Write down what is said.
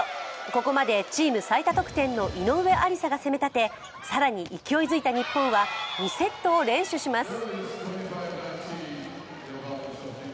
ここまでチーム最多得点の井上愛里沙が攻め立て更に勢いづいた日本は２セットを連取します。